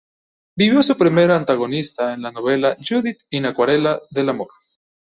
Vivió su primer antagonista en la novela, Judith in "Acuarela del Amor".